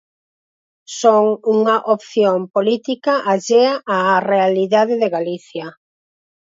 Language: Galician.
Son unha opción política allea á realidade de Galicia.